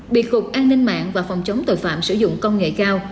bị cục an ninh mạng và phòng chống tội phạm sử dụng công nghệ cao